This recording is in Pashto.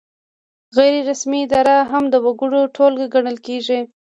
غیر رسمي اداره هم د وګړو ټولګه ګڼل کیږي.